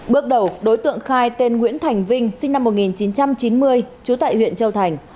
bước đầu đối tượng khai tên nguyễn thành vinh sinh năm một nghìn chín trăm chín mươi trú tại huyện châu thành